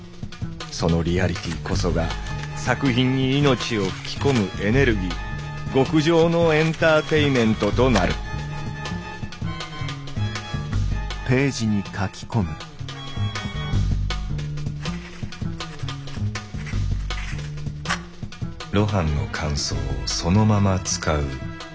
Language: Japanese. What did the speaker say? その「リアリティ」こそが作品に命を吹き込むエネルギー極上のエンターテイメントとなる「露伴の感想をそのまま使う」。